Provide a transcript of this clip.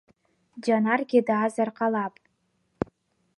Џьанаргьы даазар ҟалап.